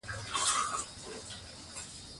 ملالۍ چې شهیده سوه، درناوی یې وسو.